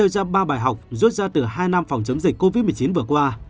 ra ba bài học rút ra từ hai năm phòng chống dịch covid một mươi chín vừa qua